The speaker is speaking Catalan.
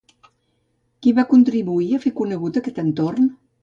Qui va contribuir a fer conegut aquest entorn?